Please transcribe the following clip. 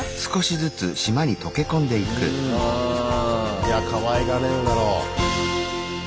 いやかわいがられるだろう。